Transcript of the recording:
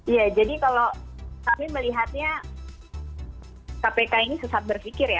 ya jadi kalau kami melihatnya kpk ini sesat berpikir ya